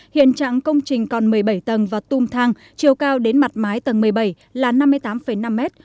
hiện trạng công trình còn một mươi bảy tầng và tung thang chiều cao đến mặt mái tầng một mươi bảy là năm mươi tám năm mét